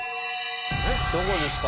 どこですか？